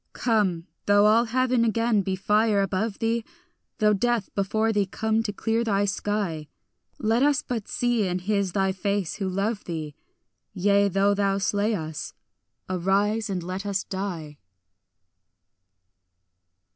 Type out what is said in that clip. Come, though all heaven again be fire above thee; Though death before thee come to clear thy sky; Let us but see in his thy face who love thee; Yea, though thou slay us, arise and let us die.